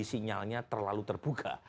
sinyalnya terlalu terbuka